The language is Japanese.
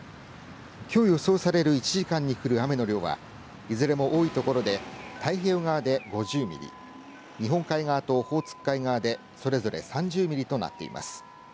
きょう予想される１時間に降る雨の量はいずれも多い所で太平洋側で５０ミリ日本海側とオホーツク海側でそれぞれ３０ミリとなっています。